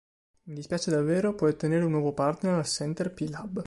Mi dispiace davvero Puoi ottenere un nuovo partner al Center P Lab.